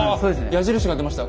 矢印が出ました。